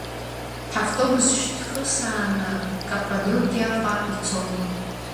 Ҳавтобус шьҭхысааны Каппадокиаҟа ицон.